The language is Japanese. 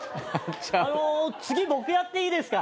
あの次僕やっていいですか？